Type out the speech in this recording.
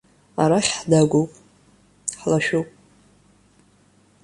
Арахь ҳдагәоуп, ҳлашәуп.